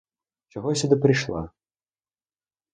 Чого я сюди прийшла?